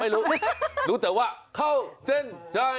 รู้แต่ว่าเข้าเส้นชัย